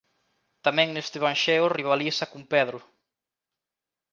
Tamén neste evanxeo rivaliza con Pedro.